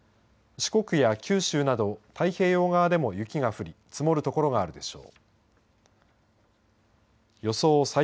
四国や九州など太平洋側でも雪が降り積もる所があるでしょう。